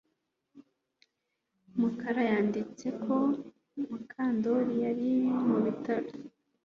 Mukara yanditse ko Mukandoli yari mu bitaro